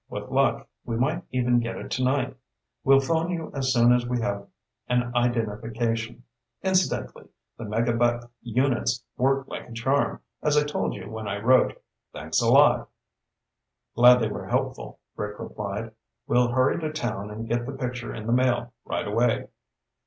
With luck, we might even get it tonight. We'll phone you as soon as we have an identification. Incidentally, the Megabuck units worked like a charm, as I told you when I wrote. Thanks a lot." "Glad they were helpful," Rick replied. "We'll hurry to town and get the picture in the mail right away."